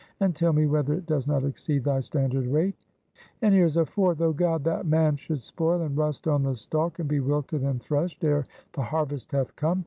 and tell me whether it does not exceed thy standard weight!" And here is a fourth. "Oh God, that man should spoil and rust on the stalk, and be wilted and threshed ere the harvest hath come!